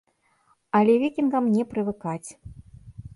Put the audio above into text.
Але вікінгам не прывыкаць.